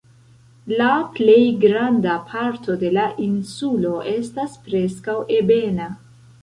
La plej granda parto de la insulo estas preskaŭ ebena.